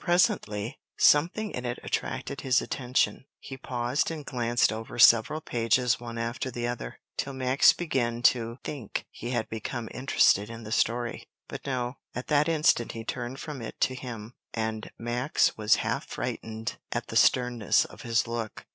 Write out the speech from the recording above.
Presently something in it attracted his attention; he paused and glanced over several pages one after the other, till Max began to think he had become interested in the story. But no; at that instant he turned from it to him, and Max was half frightened at the sternness of his look.